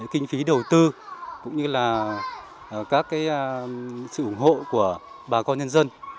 kinh phí đầu tư cũng như là các sự ủng hộ của bà con nhân dân